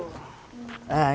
ini sudah terlihat